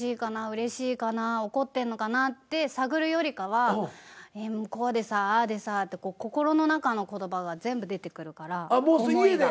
うれしいかな怒ってんのかなって探るよりかはこうでさぁああでさぁって心の中の言葉が全部出てくるから思いが。